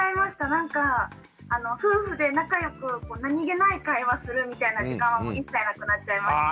なんか夫婦で仲良く何気ない会話するみたいな時間は一切なくなっちゃいましたね。